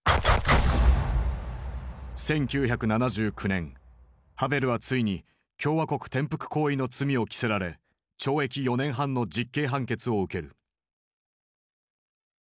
１９７９年ハヴェルはついに共和国転覆行為の罪を着せられ懲役４年半の実刑判決を受ける。